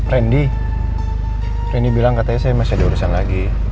rendy rendy bilang katanya saya masih ada urusan lagi